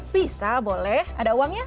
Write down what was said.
bisa boleh ada uangnya